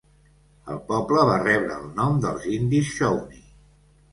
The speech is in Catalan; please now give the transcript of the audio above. El poble va rebre el nom dels indis shawnee.